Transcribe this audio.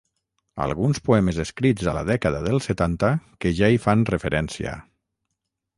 Alguns poemes escrits a la dècada del setanta que ja hi fan referència.